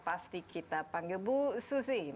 pasti kita panggil bu susi